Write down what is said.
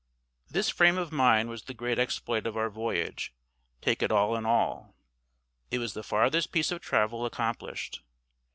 This frame of mind was the great exploit of our voyage, take it all in all. It was the farthest piece of travel accomplished.